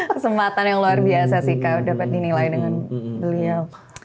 kesempatan yang luar biasa sih kak dapat dinilai dengan beliau